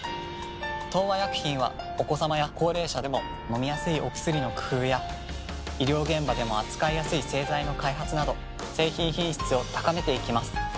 東和薬品はお子さまや高齢者でも飲みやすいお薬の工夫や医療現場でも扱いやすい製剤の開発など製品品質を高めていきます。